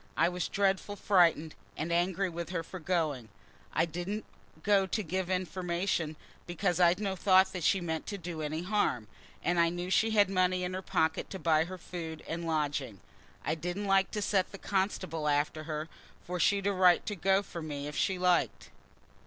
I was dreadful frightened, and angry with her for going. I didn't go to give information, because I'd no thought she meant to do any harm, and I knew she had money in her pocket to buy her food and lodging. I didn't like to set the constable after her, for she'd a right to go from me if she liked."